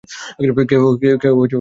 কেহ সাড়া দিল না।